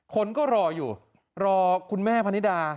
คนก็รออยู่รอคุณแม่พนิดา